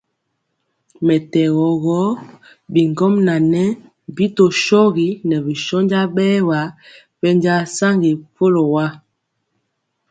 Mɛtɛgɔ gɔ, bigɔmŋa ŋɛɛ bi tɔ shogi ŋɛɛ bi shónja bɛɛwa bɛnja saŋgi kɔlo wa.